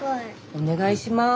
お願いします。